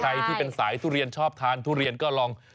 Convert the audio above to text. ใครที่เป็นสายทุเรียนชอบทานทุเรียนก็ลอง